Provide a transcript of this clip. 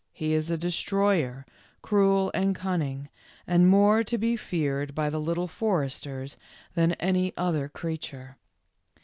He is a destroyer, cruel and cun ning and more to be feared by the Little For esters than any other creature.